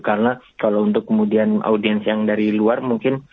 karena kalau untuk kemudian audiens yang dari luar mungkin